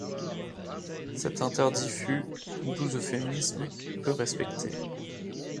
Cet interdit fut, doux euphémisme, peu respecté.